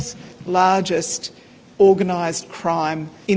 sekitar tiga puluh juta dolar sebulan